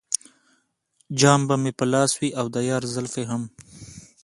جام به مې په لاس وي او د یار زلفې هم.